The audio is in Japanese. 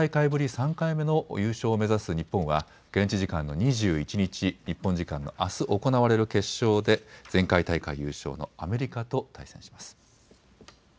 ３回目の優勝を目指す日本は現地時間の２１日、日本時間のあす行われる決勝で前回大会優勝のアメリカと対戦します。